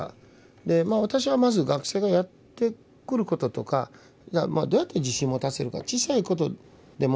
で私はまず学生がやってくることとかどうやって自信持たせるか。